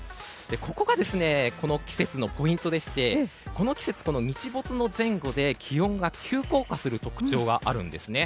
ここがこの季節のポイントでしてこの季節、日没前後で気温が急降下する特徴があるんですね。